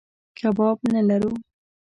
کباب نه لرو.